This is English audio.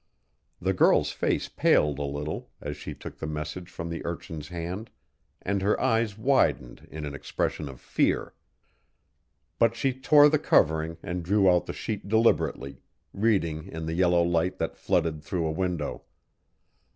The girl's face paled a little as she took the message from the urchin's hand and her eyes widened in an expression of fear. But she tore the covering and drew out the sheet deliberately, reading in the yellow light that flooded through a window.